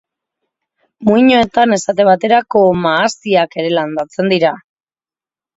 Muinoetan esate baterako mahastiak ere landatzen dira.